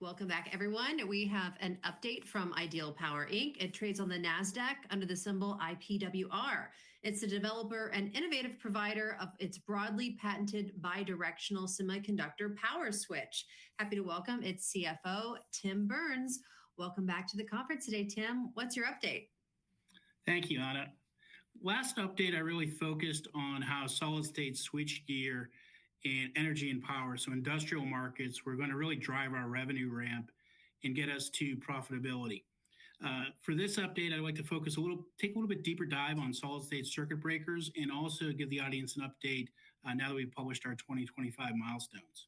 Welcome back, everyone. We have an update from Ideal Power. It trades on the NASDAQ under the symbol IPWR. It's the developer and innovative provider of its broadly patented bi-directional semiconductor power switch. Happy to welcome its CFO, Tim Burns. Welcome back to the conference today, Tim. What's your update? Thank you, Ana. Last update, I really focused on how solid-state switchgear and energy and power, so industrial markets, were going to really drive our revenue ramp and get us to profitability. For this update, I'd like to focus a little, take a little bit deeper dive on solid-state circuit breakers and also give the audience an update now that we've published our 2025 milestones.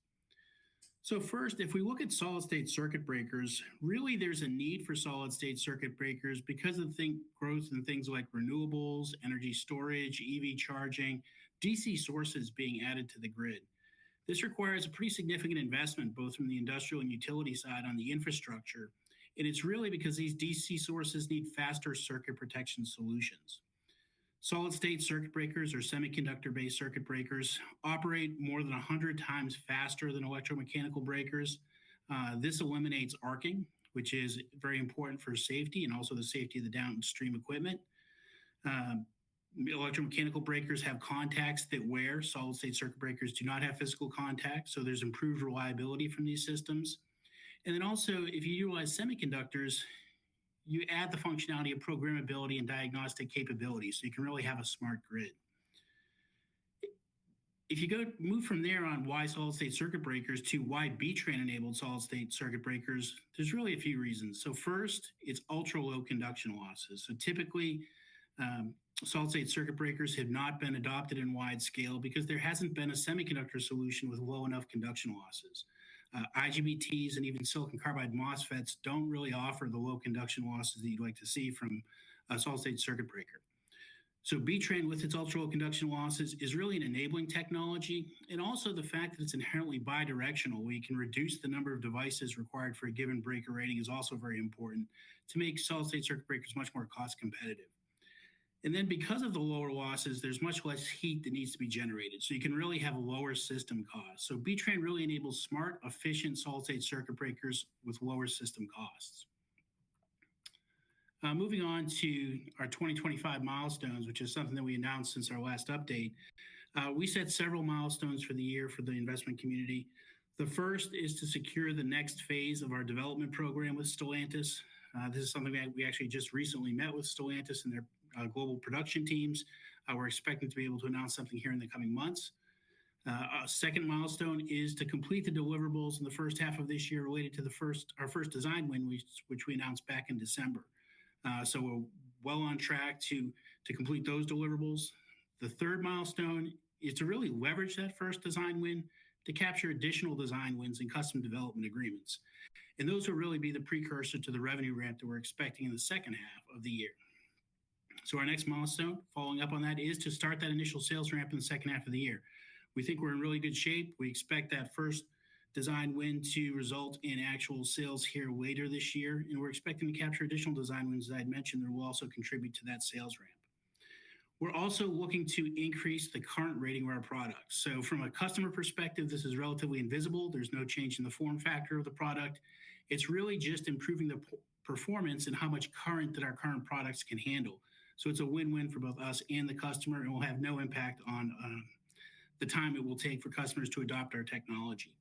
First, if we look at solid-state circuit breakers, really there's a need for solid-state circuit breakers because of the growth in things like renewables, energy storage, EV charging, DC sources being added to the grid. This requires a pretty significant investment both from the industrial and utility side on the infrastructure. It's really because these DC sources need faster circuit protection solutions. Solid-state circuit breakers, or semiconductor-based circuit breakers, operate more than 100 times faster than electromechanical breakers. This eliminates arcing, which is very important for safety and also the safety of the downstream equipment. Electromechanical breakers have contacts that wear. Solid-state circuit breakers do not have physical contacts, so there's improved reliability from these systems. If you utilize semiconductors, you add the functionality of programmability and diagnostic capabilities, so you can really have a smart grid. If you go move from there on why solid-state circuit breakers to why B-TRAN-enabled solid-state circuit breakers, there's really a few reasons. First, it's ultra-low conduction losses. Typically, solid-state circuit breakers have not been adopted in wide scale because there hasn't been a semiconductor solution with low enough conduction losses. IGBTs and even silicon carbide MOSFETs don't really offer the low conduction losses that you'd like to see from a solid-state circuit breaker. B-TRAN, with its ultra-low conduction losses, is really an enabling technology. Also, the fact that it's inherently bi-directional, where you can reduce the number of devices required for a given breaker rating, is very important to make solid-state circuit breakers much more cost competitive. Because of the lower losses, there's much less heat that needs to be generated, so you can really have a lower system cost. B-TRAN really enables smart, efficient solid-state circuit breakers with lower system costs. Moving on to our 2025 milestones, which is something that we announced since our last update. We set several milestones for the year for the investment community. The first is to secure the next phase of our development program with Stellantis. This is something that we actually just recently met with Stellantis and their global production teams. We're expecting to be able to announce something here in the coming months. A second milestone is to complete the deliverables in the first half of this year related to our first design win, which we announced back in December. We are well on track to complete those deliverables. The third milestone is to really leverage that first design win to capture additional design wins and custom development agreements. Those will really be the precursor to the revenue ramp that we are expecting in the second half of the year. Our next milestone, following up on that, is to start that initial sales ramp in the second half of the year. We think we are in really good shape. We expect that first design win to result in actual sales here later this year. We are expecting to capture additional design wins, as I had mentioned, that will also contribute to that sales ramp. We're also looking to increase the current rating of our products. From a customer perspective, this is relatively invisible. There's no change in the form factor of the product. It's really just improving the performance and how much current that our current products can handle. It's a win-win for both us and the customer, and we'll have no impact on the time it will take for customers to adopt our technology.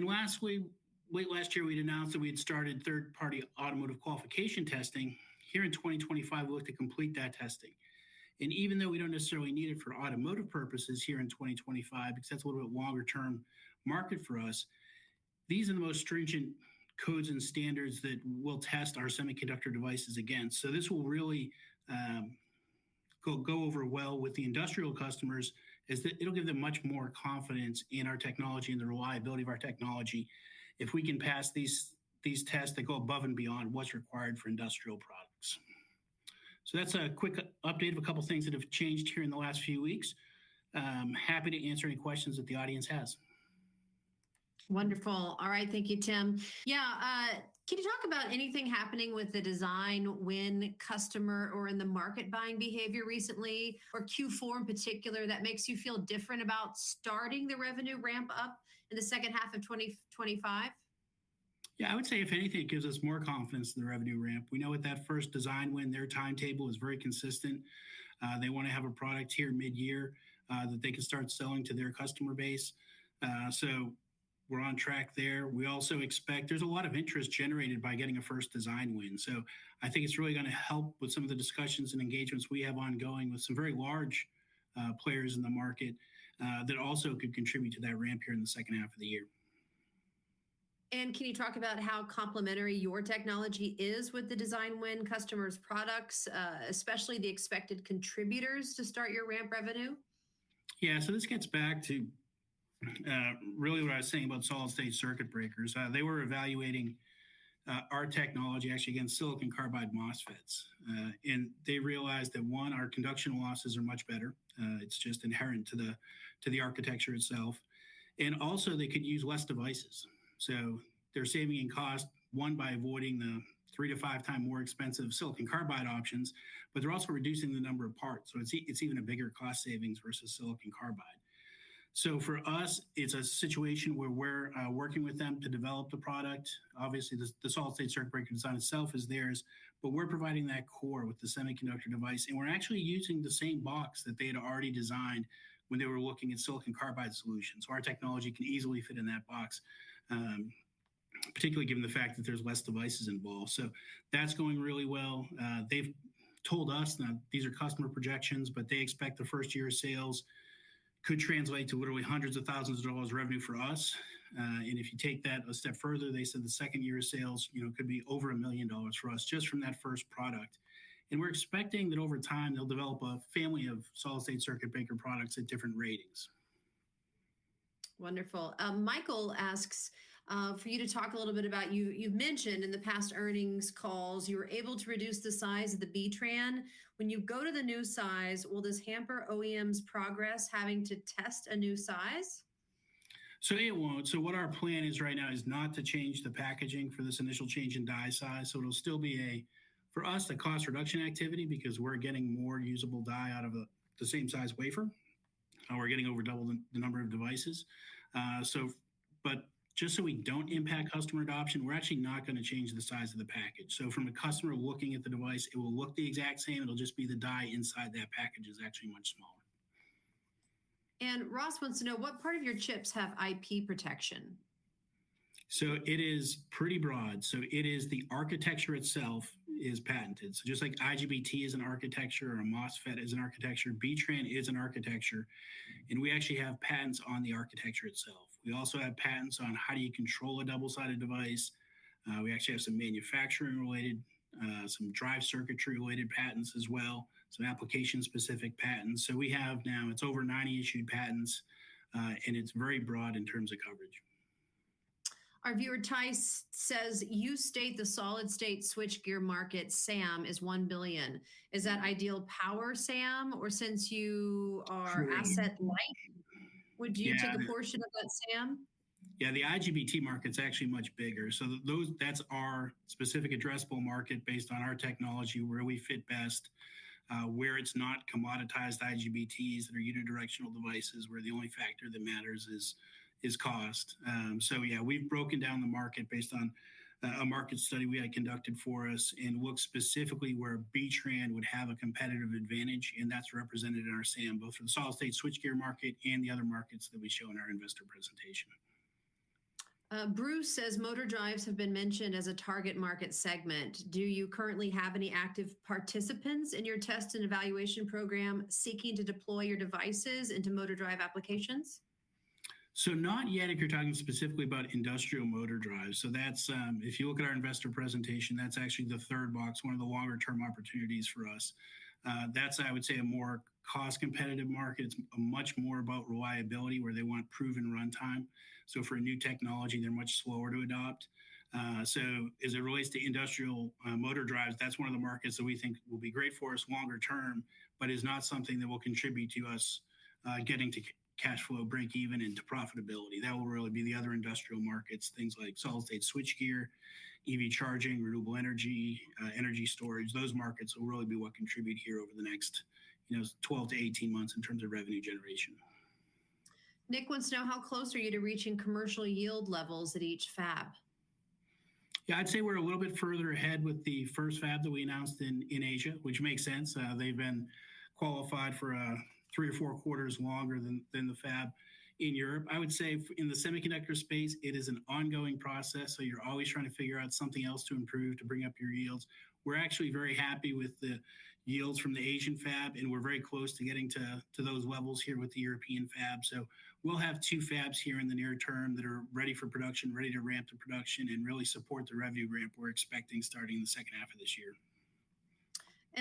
Lastly, late last year, we'd announced that we had started third-party automotive qualification testing. Here in 2025, we'll have to complete that testing. Even though we don't necessarily need it for automotive purposes here in 2025, because that's a little bit longer-term market for us, these are the most stringent codes and standards that will test our semiconductor devices against. This will really go over well with the industrial customers, as it'll give them much more confidence in our technology and the reliability of our technology if we can pass these tests that go above and beyond what's required for industrial products. That's a quick update of a couple of things that have changed here in the last few weeks. Happy to answer any questions that the audience has. Wonderful. All right, thank you, Tim. Yeah. Can you talk about anything happening with the design win customer or in the market buying behavior recently, or Q4 in particular, that makes you feel different about starting the revenue ramp up in the second half of 2025? Yeah, I would say, if anything, it gives us more confidence in the revenue ramp. We know with that first design win, their timetable is very consistent. They want to have a product here mid-year that they can start selling to their customer base. We are on track there. We also expect there is a lot of interest generated by getting a first design win. I think it is really going to help with some of the discussions and engagements we have ongoing with some very large players in the market that also could contribute to that ramp here in the second half of the year. Can you talk about how complementary your technology is with the design win customers' products, especially the expected contributors to start your ramp revenue? Yeah, so this gets back to really what I was saying about solid-state circuit breakers. They were evaluating our technology, actually, against silicon carbide MOSFETs. They realized that, one, our conduction losses are much better. It's just inherent to the architecture itself. Also, they could use fewer devices. They're saving in cost, one, by avoiding the three- to five-times more expensive silicon carbide options, but they're also reducing the number of parts. It's even a bigger cost savings versus silicon carbide. For us, it's a situation where we're working with them to develop the product. Obviously, the solid-state circuit breaker design itself is theirs, but we're providing that core with the semiconductor device. We're actually using the same box that they had already designed when they were looking at silicon carbide solutions. Our technology can easily fit in that box, particularly given the fact that there's less devices involved. That's going really well. They've told us that these are customer projections, but they expect the first year of sales could translate to literally hundreds of thousands of dollars revenue for us. If you take that a step further, they said the second year of sales could be over $1 million for us just from that first product. We're expecting that over time, they'll develop a family of solid-state circuit breaker products at different ratings. Wonderful. Michael asks for you to talk a little bit about you've mentioned in the past earnings calls, you were able to reduce the size of the B-TRAN. When you go to the new size, will this hamper OEM's progress having to test a new size? What our plan is right now is not to change the packaging for this initial change in die size. It will still be, for us, a cost reduction activity because we're getting more usable die out of the same size wafer. We're getting over double the number of devices. Just so we don't impact customer adoption, we're actually not going to change the size of the package. From a customer looking at the device, it will look the exact same. It will just be the die inside that package is actually much smaller. Ross wants to know, what part of your chips have IP protection? It is pretty broad. It is the architecture itself is patented. Just like IGBT is an architecture or a MOSFET is an architecture, B-TRAN is an architecture. We actually have patents on the architecture itself. We also have patents on how do you control a double-sided device. We actually have some manufacturing-related, some drive circuitry-related patents as well, some application-specific patents. We have now, it's over 90 issued patents, and it's very broad in terms of coverage. Our viewer, Tyse, says, "You state the solid-state switchgear market, SAM, is $1 billion. Is that Ideal Power SAM, or since you are asset-light, would you take a portion of that SAM? Yeah, the IGBT market's actually much bigger. That's our specific addressable market based on our technology, where we fit best, where it's not commoditized IGBTs that are unidirectional devices, where the only factor that matters is cost. We've broken down the market based on a market study we had conducted for us and looked specifically where B-TRAN would have a competitive advantage. That's represented in our SAM, both for the solid-state switchgear market and the other markets that we show in our investor presentation. Bruce says, "Motor drives have been mentioned as a target market segment. Do you currently have any active participants in your test and evaluation program seeking to deploy your devices into motor drive applications? Not yet if you're talking specifically about industrial motor drives. If you look at our investor presentation, that's actually the third box, one of the longer-term opportunities for us. That's, I would say, a more cost competitive market. It's much more about reliability, where they want proven run time. For a new technology, they're much slower to adopt. As it relates to industrial motor drives, that's one of the markets that we think will be great for us longer term, but is not something that will contribute to us getting to cash flow break-even and to profitability. That will really be the other industrial markets, things like solid-state switchgear, EV charging, renewable energy, energy storage. Those markets will really be what contribute here over the next 12-18 months in terms of revenue generation. Nick wants to know, "How close are you to reaching commercial yield levels at each fab? Yeah, I'd say we're a little bit further ahead with the first fab that we announced in Asia, which makes sense. They've been qualified for three or four quarters longer than the fab in Europe. I would say in the semiconductor space, it is an ongoing process. You're always trying to figure out something else to improve to bring up your yields. We're actually very happy with the yields from the Asian fab, and we're very close to getting to those levels here with the European fab. We'll have two fabs here in the near term that are ready for production, ready to ramp to production, and really support the revenue ramp we're expecting starting in the second half of this year.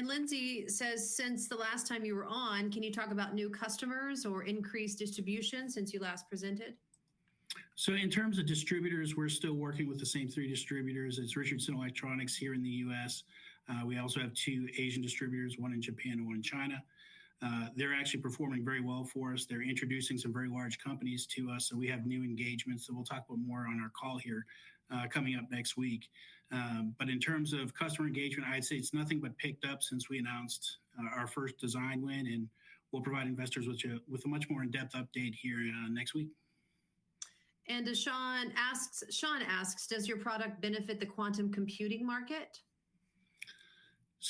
Lindsay says, "Since the last time you were on, can you talk about new customers or increased distribution since you last presented? In terms of distributors, we're still working with the same three distributors. It's Richardson Electronics here in the U.S. We also have two Asian distributors, one in Japan and one in China. They're actually performing very well for us. They're introducing some very large companies to us, so we have new engagements that we'll talk about more on our call here coming up next week. In terms of customer engagement, I'd say it's nothing but picked up since we announced our first design win, and we'll provide investors with a much more in-depth update here next week. Sean asks, "Does your product benefit the quantum computing market?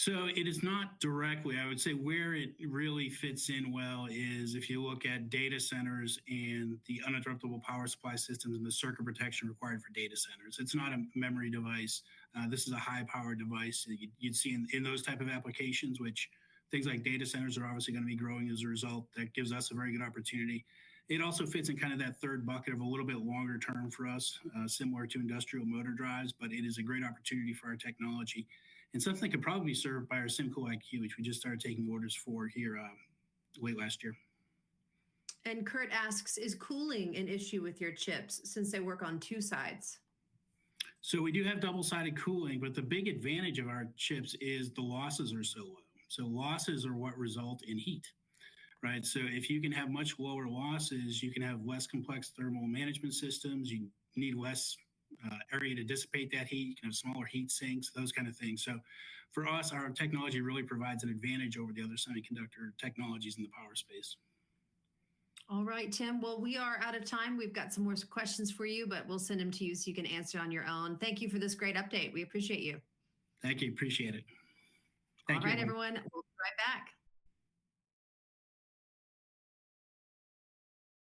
It is not directly. I would say where it really fits in well is if you look at data centers and the uninterruptible power supply systems and the circuit protection required for data centers. It is not a memory device. This is a high-powered device. You would see in those type of applications, which things like data centers are obviously going to be growing as a result. That gives us a very good opportunity. It also fits in kind of that third bucket of a little bit longer term for us, similar to industrial motor drives, but it is a great opportunity for our technology. And something that could probably be served by our SymCool IQ, which we just started taking orders for here late last year. Kurt asks, "Is cooling an issue with your chips since they work on two sides? We do have double-sided cooling, but the big advantage of our chips is the losses are so low. Losses are what result in heat, right? If you can have much lower losses, you can have less complex thermal management systems. You need less area to dissipate that heat. You can have smaller heat sinks, those kind of things. For us, our technology really provides an advantage over the other semiconductor technologies in the power space. All right, Tim. We are out of time. We've got some more questions for you, but we'll send them to you so you can answer on your own. Thank you for this great update. We appreciate you. Thank you. Appreciate it. Thank you. All right, everyone. We'll be right back.